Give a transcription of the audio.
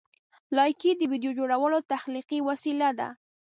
لایکي د ویډیو جوړولو تخلیقي وسیله ده.